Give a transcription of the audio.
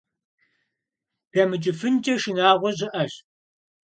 ДэмыкӀыфынкӀэ шынагъуэ щыӀэщ.